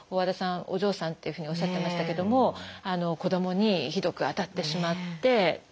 お嬢さんっていうふうにおっしゃってましたけども子どもにひどく当たってしまってっていうような方ですとか